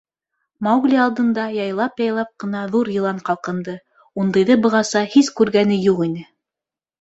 Маугли алдында яйлап-яйлап ҡына ҙур йылан ҡалҡынды, ундайҙы бығаса һис күргәне юҡ ине.